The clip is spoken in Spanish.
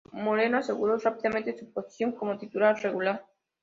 Moreno aseguró rápidamente su posición como titular regular.